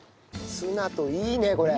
ツナといいねこれ。